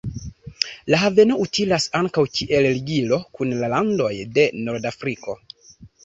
La haveno utilas ankaŭ kiel ligilo kun la landoj de Nordafriko.